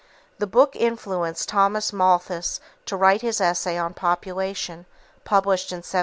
This book influenced Thomas Malthus to write his Essay on Population, published in 1798.